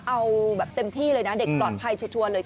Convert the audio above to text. เอาแบบเต็มที่เลยนะเด็กปลอดภัยชัวร์เลย